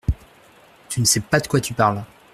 Tu ne sais pas de quoi tu parles.